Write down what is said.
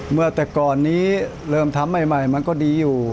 เมื่อแต่ก่อนนี้เริ่มทำใหม่มันก็ดีอยู่